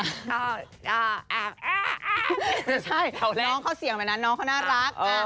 ใช่น้องเขาเสียงแบบนั้นน้องเขาน่ารัก